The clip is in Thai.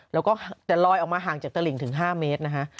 แล้วก็แต่ลอยออกมาห่างจากตลิงถึง๕เมตรนะฮะ